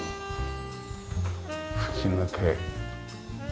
吹き抜け。